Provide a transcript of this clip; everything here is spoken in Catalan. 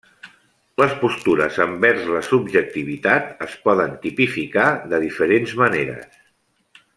Les postures envers la subjectivitat es poden tipificar de diferents maneres.